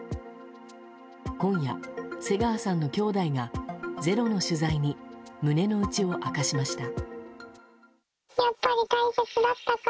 今夜、瀬川さんのきょうだいが「ｚｅｒｏ」の取材に胸の内を明かしました。